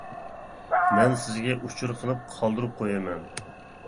مەن سىزگە ئۇچۇر قىلىپ قالدۇرۇپ قويىمەن.